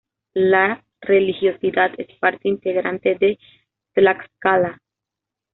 La religiosidad es parte integrante de Tlaxcala.